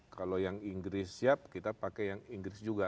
kalau yang inggris siap kita pakai yang inggris juga